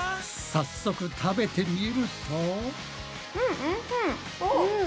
早速食べてみると。